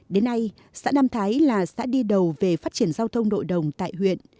đến nay xã nam thái là xã đi đầu về phát triển giao thông nội đồng tại huyện